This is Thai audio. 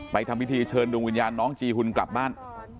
ทำพิธีเชิญดวงวิญญาณน้องจีหุ่นกลับบ้าน